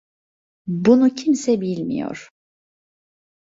Bunu kimse bilmiyor.